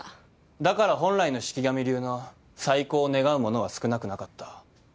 だから本来の四鬼神流の再興を願う者は少なくなかった。